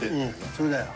それだよ。